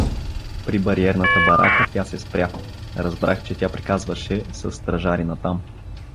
При бариерната барака тя се спря; разбрах, че тя приказваше със стражарина там.